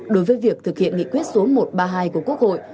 đối với việc thực hiện nghị quyết số một trăm ba mươi hai của quốc hội